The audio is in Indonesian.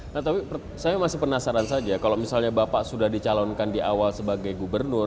nah tapi saya masih penasaran saja kalau misalnya bapak sudah dicalonkan di awal sebagai gubernur